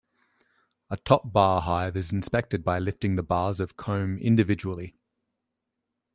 A top-bar hive is inspected by lifting the bars of comb individually.